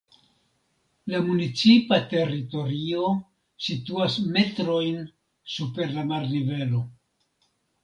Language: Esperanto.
La municipa teritorio situas metrojn super la marnivelo.